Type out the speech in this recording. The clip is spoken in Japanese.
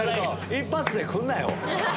一発で来るなよ！